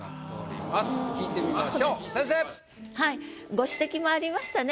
ご指摘もありましたね。